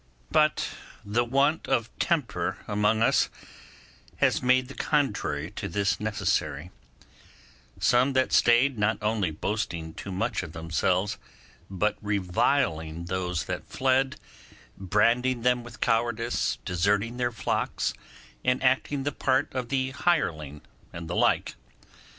But the want of temper among us has made the contrary to this necessary: some that stayed not only boasting too much of themselves, but reviling those that fled, branding them with cowardice, deserting their flocks, and acting the part of the hireling, and the like.